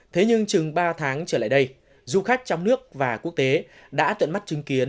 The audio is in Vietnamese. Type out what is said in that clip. thế nhưng chừng ba tháng trở lại đây du khách trong nước và quốc tế đã tận mắt chứng kiến